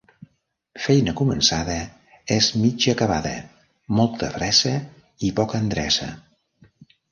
Feina començada és mig acabada Molta fressa i poca endreça.